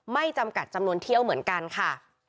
จำกัดจำนวนเที่ยวเหมือนกันค่ะ